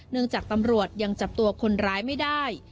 จากตำรวจยังจับตัวคนร้ายไม่ได้